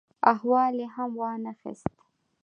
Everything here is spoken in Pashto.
احوال یې هم وا نه خیست.